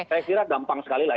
saya kira gampang sekali lah ya